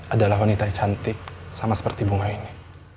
adalah wanita yang cantik sama seperti bunga ini